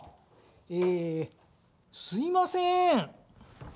えすいません。